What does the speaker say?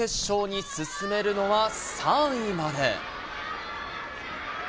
準決勝に進めるのは３位まで。